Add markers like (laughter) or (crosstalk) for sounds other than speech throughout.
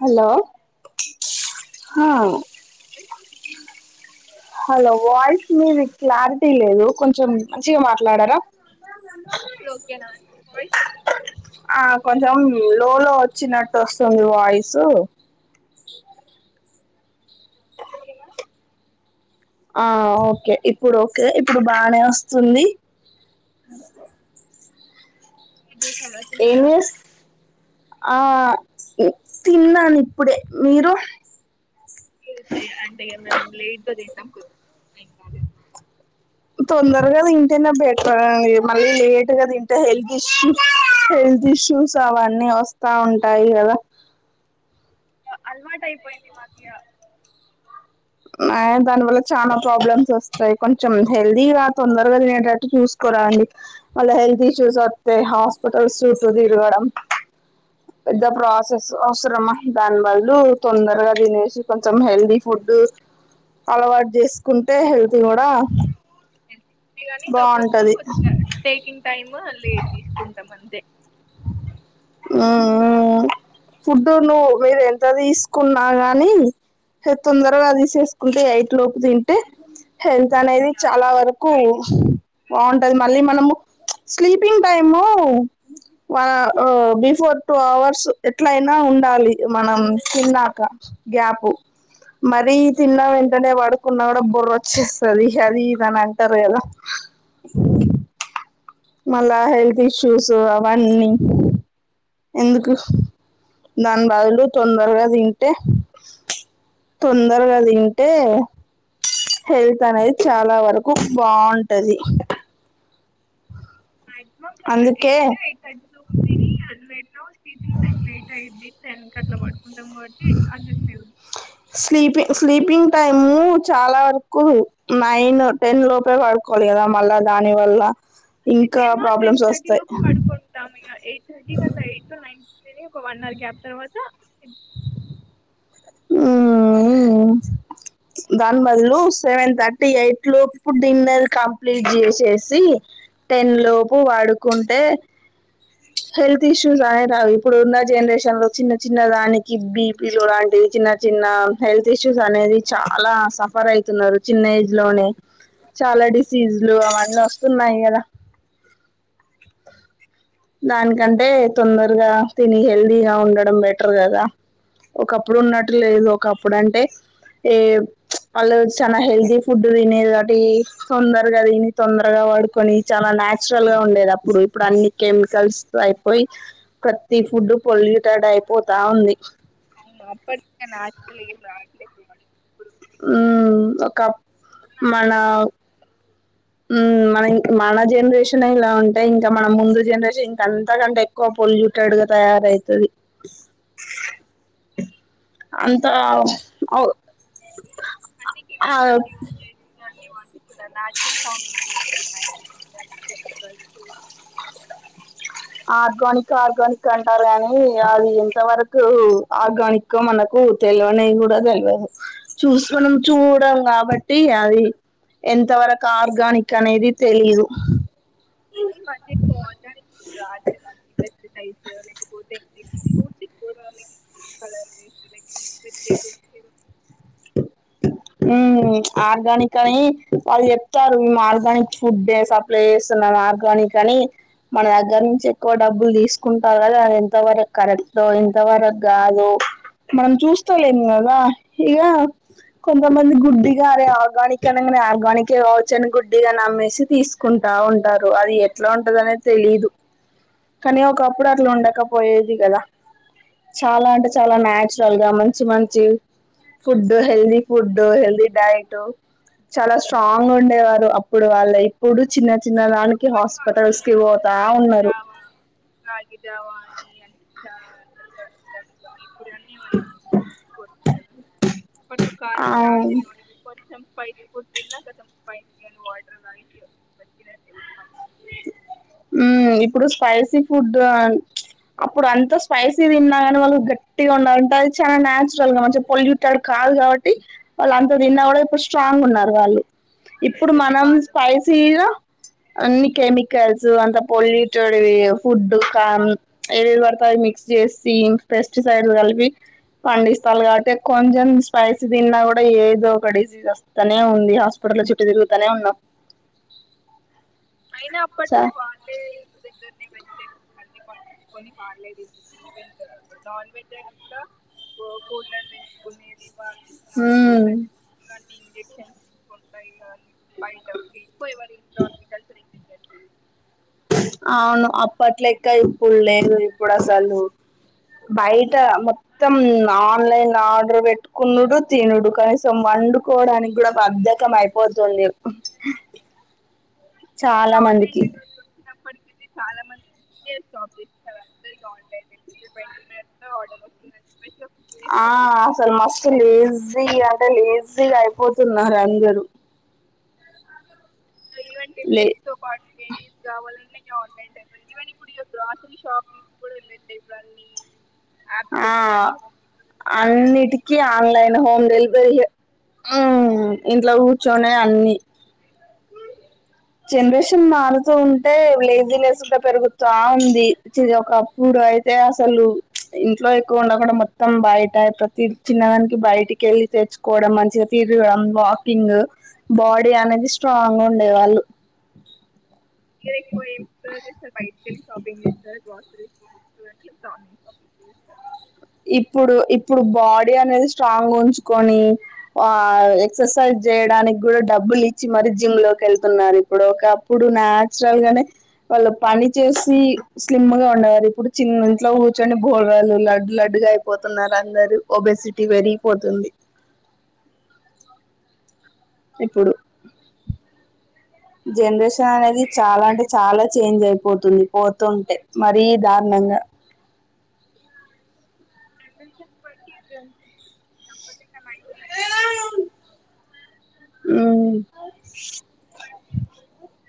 Hello హ అండి, hello voice మీది క్లారిటీ లేదు కొంచెం మంచిగా మాట్లాడారా ఇప్పుడు ఓకేనా అని వాయిస్ ఆ కొంచెం లో లో వచ్చినట్టు వస్తుంది వాయిసు ఓకేనా ఆ ఓకే ఇప్పుడు ఓకే ఇప్పుడు బానే వస్తుంది ఇదే సరే ఏం తిన్నారా చేస్ ఆ తిన్నాను ఇప్పుడే మీరు ఈ రచయ అంటే ఎమన్నా లేట్ గా తింటాం కొద్దిగా టైమ్ కాలే ఇంకా తొందరగా దింటేనే బెటర్ మళ్ళీ లేట్గా తింటే హెల్త్ ఇష్యూ హెల్త్ ఇష్యూస్ అవన్నీ వస్తా ఉంటాయి కదా అలవాటు అయిపోయింది మాకు ఇగ దాని వల్ల చాలా ప్రాబ్లమ్స్ వస్తాయి కొంచెం హెల్దీగా తొందరగా దినేటట్టు చూసుకోరాండి మళ్ళ హెల్త్ ఇష్యూస్ వస్తా హాస్పిటల్స్ చుట్టూ తిరగడం పెద్ద ప్రాసెస్ అవసరమా దానివల్ల తొందరగా తినేసి కొంచెం హెల్దీ ఫుడ్ అలవాటు చేసుకుంటే హెల్త్ గూడా కాని కాకపోతే కొద్దిగా టేకింగ్ టైమ్ లేట్ దీసుకుంటాం అంతే ఆ ఫుడ్డు నువ్వు మీరు ఎంత దీసుకున్నా గాని తొందరగా తీసేసుకుంటే ఎయిట్ లోపు తింటే హెల్త్ త్ అనేది ఇగ చాలా వరకు బాగుంటది మళ్ళీ మనము sleeping time before two hours ఎట్లయినా ఉండాలి మనం తిన్నాక గ్యాప్ మరీ తిన్నా వెంటనే పడుకున్నా కూడా బొర్ర వచ్చేస్తుంది అది ఇదని అంటారు కదా మళ్ళా హెల్త్ ఇష్యూస్ పన్ని ఎందుకు దాని బాదులు తొందరగా తింటే తొందరగా తింటే స హెల్తనేది చాలా వరకు క్కు బాగుంటది మాక్సిమం అందుకే ఎయిట్ ఎయిట్ అర్ అ నా స్లీపింగ్ టైమ్ నైట్ అయిది టెన్కి అట్లా పడుకుంటాం కాబట్టి అస్దు స్లీపింగ్ స్లీపింగ్ టైము చాలా వరకు నైన్ టెన్ లోపే పడుకోవాలి కదా మళ్ళా దాని వల్ల అంతే ఇంకా టెన్ ఆ టెన్ ప్రాబ్లమ్స్ థర్టీ లో వస్తాయి బడుకుంటాం ఇంగ ఎయిట్ థర్టీ కంత ఎయిట్టు నైన్ తిని ఒక వన్ అవర్ గ్యాప్ తర్వాత ఊ దాని బదులు సెవెన్ థర్టీ ఎయిట్ లోపు డిన్నర్ కంప్లీట్ జేసేసి టెన్ లోపు పడుకుంటే హెల్త్ ఇష్యూస్ రానే రాదు ఇప్పుడున్న జనరేషన్ లో చిన్న చిన్న దానికి బీపిలు లాంటివి చిన్న చిన్న హెల్త్ ఇష్యూస్ అనేది చాలా సఫర్ అయితున్నారు చిన్న ఏజ్ లోనే చాలా డిసీజులు అవన్నీ వ సున్నాయి గదా దానికంటే తొందరగా తిని హెల్దీగా ఉండడం బెటర్ గదా ఒకప్పుడు ఉన్నట్టు లేదు ఒకప్పుడు అంటే ఏ వాళ్ళు చాలా హెల్దీ ఫుడ్ తినేది కాట్టి తొందరగా దిని తొందరగా వాడుకొని చాలా నాచురల్ గా ఉండేది అప్పుడు ఇప్పుడు అన్ని కెమికల్స్ అయిపోయి ప్రతి ఫుడ్ పొల్యూటెడ్ అయిపోతా ఉంది అవును అప్పటి నా ఆట్ ఆట్లే (unintelligible) ఉ ఒకప్ అన్ని మన పెస్టిస్ ఉ మనం మన జనరేషన్ ఇలా ఉంటే. ఇంకా మన ముందు జనరేషన్ ఇంక అంతకంటే ఎక్కువ పొల్యూటెడ్ గా తయారఅయితది అంత ఔ ఆ ఇప్పుడా నాచురల్ ఫార్మింగ్ ఇబ్బుడు కెమికల్సు ఆర్గానిక్ ఆర్గానిక్ అంటారు గానీ అది ఎంత వరకు ఆర్గానికో మనకు తెలివనేది కూడా తెలవదు చూసి మనం చూడం కాబట్టి అది ఎంత వరకు ఆర్గానిక్ అనేది తెలిదు అయినా ఈ మధ్య ఎక్కువ ఆర్గానిక్ (inaudible) ఈ కలర్ వేస్ట్ ఈల్లకి ఉ వాటర్ ఆర్గానిక్ అని వాళ్ళు జెప్తారు మేము ఆర్గానిక్ ఫుడ్డే సప్లై ఏస్తున్నాము ఆర్గానిక్ అని మన దగ్గర నుంచి ఎక్కువ డబ్బులు దీసుకుంటారు గదా అది ఎంత వరకు కరెక్టొ ఎంత వరకు గాదో మనం చూస్తలేము గదా ఇగ కొంతమంది గుడ్డిగా అరే ఆర్గానిక్ అన్నంగానే ఆర్గానికే కావచ్చు అని గుడ్డిగా నమ్మేసి తీసుకుంటా ఉంటారు అది ఎట్లా ఉంటదానేది తెలిదు కానీ ఒకపుడు అట్లా ఉండకపోయేది కదా చాలా అంటే చాలా నాచురల్ గా మంచి మంచి food healthy food healthy diet చాలా స్ట్రాంగ్ ఉండేవారు అప్పుడు వాళ్లే ఇప్పుడు చిన్న చిన్న దానికి (inaudible) హాస్పిటల్స్ కి పోతా రాగి ఉన్నారు జావా రాగి జావా అని అ ఇప్పుడు (inaudible) కొంచం కొంచం అప్పట్లో ఆ కారం చాల్ దినెవారూ ఇపుడు కొంచం బయిట్ ఫుడ్ దిన్నా కతం స్పైసీ కానీ వాటర్ (inaudible) ఊ ఇప్పుడు స్పైసీ ఫుడ్ ఆ అప్పుడు అంత స్పైసీ దిన్నా గాని వాళ్ళు గట్టిగా ఉండంటే అది చాలా నాచురల్ గా మంచి పొల్యూటెడ్ కాదు కాబట్టి వాళ్ళు అంత దిన్నా గూడా ఇపుడు స్ట్రాంగ్ వాళ్ళు ఉన్నారు వాళ్ళు ఇప్పుడు వెంటనే మనం వాళ్ళు స్పైసీగా అన్ని కెమికల్స్ ల్స్ అంత పొల్యూటెడ్ వి ఫుడ్ కాన్ ఏవి పడితే అవి మిక్స్ చేసి పెస్టిసైడ్ కలిపి పండిస్తారు కాబట్టె కొంచం స్పైసీ దిన్నా గూడా ఏదో ఒక డీసీజ్ వస్తనే ఉంది హాస్పిటల్ల చుట్టు తిరుగుతనే ఉన్నాం అయినా అప్ సా (unintelligible) కంది పండించుకొని వాళ్లే దిం ఈవెండ్ నాన్ వెజ్ అయిన కూడా గోగులను పెంచుకునేది వాళ్ళు హు నాటు కోళ్ళని చెప్పి ఇంజెక్షన్స్ ఇచ్చుకుంటాయి గాని బయట ఎక్కువ ఎవరి ఇంట్లో ఉంది (unintelligible) అవును అప్పట్లెక ఇప్పుడు లేదు ఇప్పుడు అసలు బయట మొత్తం ఆన్లైన్ ఆర్డర్ పెట్టుకొనుడు తినుడు కనీసం వండుకోడానికి కూడా బద్ధకం అయిపోతుంది చాలా మందికి ఇప్పటికి ఇది చాలా మందికి యర్ స్టాప్ చేసేసారు అందరికి ఆన్లైన్ డెలివరీ ట్వంటీ మినిట్స్ లో ఆర్డర్ వస్తుంది ఆ అసలు మస్తు లేేజీ అంటే లేజీ జీగా అయిపోతున్నారు అందరు లే కేరీస్ కావాలని ఆన్లైన్ అయిపోయింది ఈవెన్ ఇప్పుడు గ్రాసరీ షాపింగ్స్ కూడా వెళ్లట్లేదు ఇప్పుడు అన్నీ ఆ అన్ని అన్నిటికీ ఇంట్లో ఆన్లైన్ హోమ్ కూర్చొని డెలివరీయే హ్మ్ ఇంట్లో కూర్చొనే అన్ని జనరేషన్ మారుతూ ఉంటే లేజినెస్ కుడ పెరుగుతావుంది చిది ఒకప్పుడు అయితే అసలు ఇంట్లో ఎక్కువ ఉండకుండా మొత్తం బయట ప్రతి చిన్నదానికి బయటికెళ్లి తెచ్చుకోవడం మంచిగా తిరడం వాకింగ్ బాడీ అనేది స్ట్రాంగుండే వాళ్ళు ఇవేకువ ఎమ్ కూర చేస్తారు బయట్కేల్లి షాపింగ్ చేస్తారు (unintelligible) ఇప్పుడు ఇప్పుడు బాడీ అనేది స్ట్రాంగ్ ఉంచుకొని ఆ ఎక్ససైజ్ చేయడానికి కూడా డబ్బులు ఇచ్చి మరి జిమ్ లోకి వెళ్తున్నారు ఇప్పుడు ఒకప్పుడు నాచురల్ గానే వాళ్ళు పని చేసి స్లిమ్ గా ఉండేవారు ఇప్పుడు చిన్ ఇంట్లో కూర్చొని బోరలు లడ్లు లడ్ డుగా అయిపోతున్నారు అందరు ఒబెసిటీ పెరిగిపోతుంది. ఇప్పుడు జనరేషన్ అనేది చాలా అంటే చాలా చేంజ్ అయిపోతుంది పోతుంటే మరీ దారుణంగా జనరేషన్ బట్టి తప్పకుండా నైన్టీస్ కిడ్స్ మ్మ్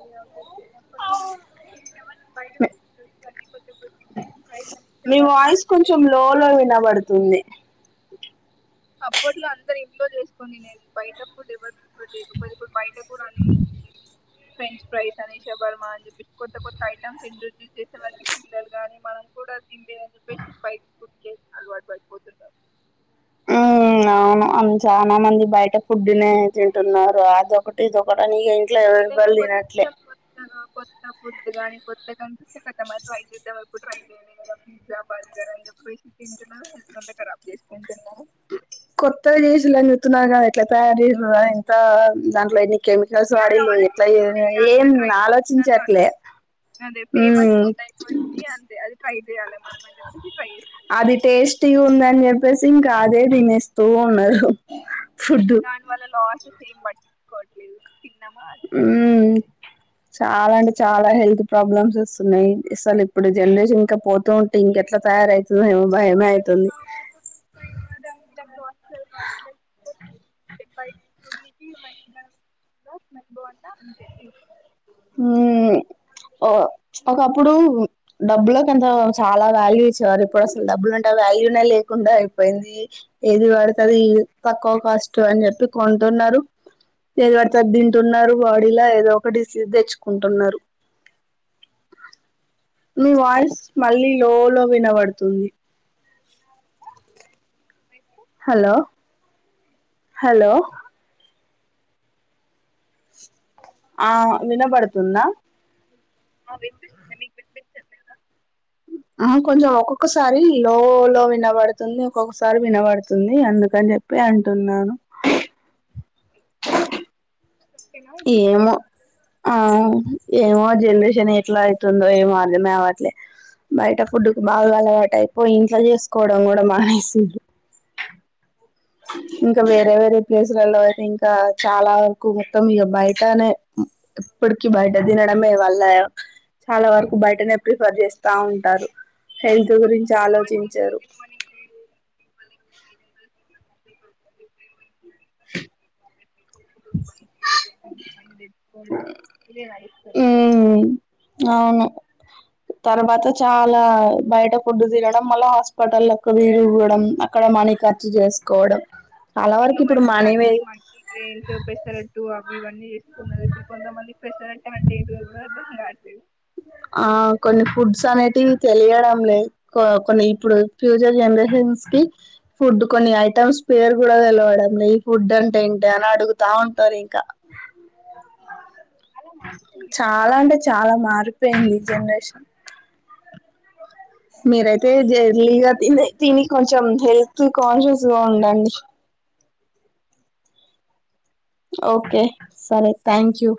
ఇంగ చిన్నప్పనుంచి ఎవరి బయట ఫుడ్ అని చెప్పి తుంది అప్పట్లో అందరు ఇంట్లో చేసుకొని తినేది బయట ఫుడ్ ఎవరు తేకపోయంది ఇప్పుడు బయట కూడా అన్ని ఫ్రెంచ్ ఫ్రైస్ అని షబర్మ అని చెప్పేసి కొత్త కొత్త ఐటమ్స్ ఇంట్రొడ్యూస్ చేసే వారికి పిల్లలు గాని మనం కూడా తినలేదని చెప్పేసి బయట్ ఫుడ్ టెస్ట్ అలవాటు పడిపోతుంటం ఉమ్ అవును ఆన్ చానా మంది బయట ఫుడ్ తినే తింటున్నారు అదొకటి ఇదొకటని ఏదైనా కొత్త కొత్తగా కొత్త ఫుడ్డు గానీ కొత్తగాన్ చూస్తే కతం ట్రై చేద్దాం అని ఎప్పుడు ట్రై చేయలే గదా పిజ్జా బర్గర్ అని చెప్పేసి తిని తినా అంత ఖరాబ్ చేస్ ఏం తిన్నావ్ కొత్త గా చేసిల్లని చెప్తున్నారు గదా ఎట్లా తయారు చేయాల్ల రా ఎంతో దాంట్లో ఎన్ని కెమికల్స్ ఇగ అది వాడింళ్ళు ఎట్లా ఎ ఆలోచించట్లే ఇగ ఎ ఏం అంతా ట్రై చేస్తున్నారు ఆలోచించట్లే అదే ఫేమస్ ఫుడ్ అయిపోయింది అంతే అది ట్రై చేయాలి మనం అని చెప్పేసి ట్రై చేస్తున్నాము అది టేస్టి గ ఉందని చెప్పేసి ఇంక అదే తినేస్తూ ఉన్నారు హు దాన్ వల్ల లాస్ సీమ్ పట్ ఇచుకోవట్లేదు చిన్నమ్మా అంతయ్ ఉమ్ చాలా అంటే చాలా హెల్త్ ప్రాబ్లమ్స్ వస్తున్నాయి అసలు ఇప్పుడు జనరేషన్ ఇంకా పోతూ ఉంటే ఇంక ఎట్లా తయారయితదో ఏమో భయమే అది అయితుంది కాపా దం వ బయట చూడ్ నికి మంచిగా బ మన్ బోండా అంతే తీ మ్మ్ ఓ ప్చ్ ఒకప్పుడు డబ్బులకి అంత చాలా వాల్యూ ఇచ్చేవారు ఇప్పుడు అసలు డబ్బులంటే వాల్యూనే లేకుండా అయిపోయింది ఏది పడితే అది తక్కువ కాస్ట్ అని చెప్పి కొంటున్నారు ఏది పడితే అది తింటున్నారు బాడీలో ఏదో ఒకటి డీస్ సిద్దెచ్చుకుంటున్నారు మీ వాయిస్ మళ్ళీ లో లో వినబడుతుంది. (unintelligible) అయితే హలో హలో ఆ, ఆ వినబడుతుంద. ఆ విన్పిస్తుంది మీక్ విన్పిచ్చట్లేద. ఆ కొంచెం ఒకొకసారి లో లో వినబడుతుంది ఒకొకసారి వినబడుతుంది అందుకన్ జెప్పి అంటున్నాను. ఓకేనా ఇప్పుడు ఏమొ ఆ ఏమో జన్రేషనెట్లా అయ్తుందో ఏమో అర్దమే అవట్లె బయట ఫుడ్డుకు బాగా అలవాటైపోయి ఇంట్లో జేస్కోవడం కూడా మానేసిండ్రు. ఇంక వేరే వేరే ప్లేసులల్లో ఐతే ఇంకా చాలా వర్కు మొత్తం ఇగ బయ్టానే ఇ ఇప్పుడికి బయ్ట దినడమే వల్ల చాలా వరకు బయటనే ప్రిఫర్ జేస్తా ఉంటారు హెల్త్ మార్నింగ్ గురించాలోచించరు. ఎర్లీ (inaudible) (unintelligible) (unintelligible) (inaudible) (unintelligible) ఆయన దెచ్చుకోడం. (unintelligible) ఔను తర్వాత చాలా బయట ఫుడ్డు దినడం మళ్ళ హాస్పెటల్లకు దిరుగుడం అక్కడ మనీ ఖర్చు జేస్కోవడం. అప్పట్లొ మంచిగన్నీ మల్టీ గ్రేన్సు పెసరట్టు అవ్ ఇవ్ అన్. ఇంగ జేస్కున్నదిప్పుడు కొంతమందిక్ పెసరట్టంటే ఏంటిదో గూడా అర్థం గాట్లేదు. ఆ కొన్ని ఫుడ్స్ అనేటివ్ తెలియడంలేద్ కొ కొన్ని ఇప్పుడు ఫ్యూచర్ జనరేషన్స్ కి ఫుడ్డుకొని ఐటమ్స్ పేరు గూడా తెలవడంలే ఈ ఫుడ్డంట్ ఏంటి అని అడుగుతా ఉంటారింక. అలా మార్చింది చాలా అంటె చాలా మారి పెయ్ంది జన్రేషన్. మీరైతే జెర్లీగా తిని తిని కొంచెం హెల్త్ కాన్షియస్లొ ఉండండి. ఓకే సరే థ్యాంక్యూ.